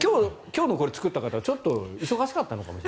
今日のこれ作った方ちょっと忙しかったのかも。